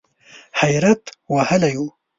حیرت وهلی و .